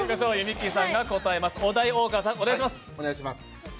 お題を大川さん、お願いします。